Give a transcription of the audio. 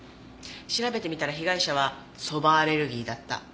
調べてみたら被害者はそばアレルギーだった。